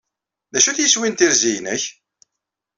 D acu-t yeswi n terzi-nnek?